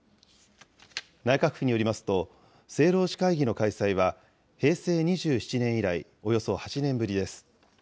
内閣府によりますと、政労使会議の開催は、平成２７年以来およそ８年ぶりです。